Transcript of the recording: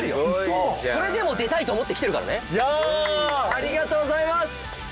ありがとうございます！